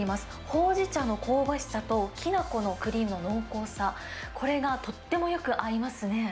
ほうじ茶の香ばしさと、きな粉のクリームの濃厚さ、これがとってもよく合いますね。